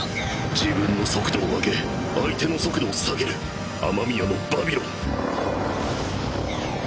自分の速度を上げ相手の速度を下げるはあ！